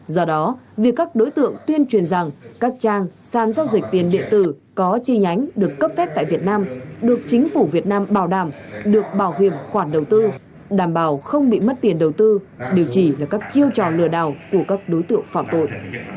do đó việc các đối tượng tuyên truyền rằng các trang sàn giao dịch tiền điện tử có chi nhánh được cấp phép tại việt nam được chính phủ việt nam bảo đảm được bảo hiểm khoản đầu tư đảm bảo không bị mất tiền đầu tư đều chỉ là các chiêu trò lừa đảo của các đối tượng phạm tội